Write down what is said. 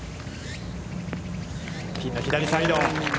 ピンの左サイド。